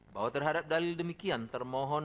bahwa terhadap dalil demikian termohon